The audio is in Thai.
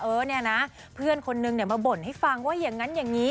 เออเนี่ยนะเพื่อนคนนึงเนี่ยมาบ่นให้ฟังว่าอย่างนั้นอย่างนี้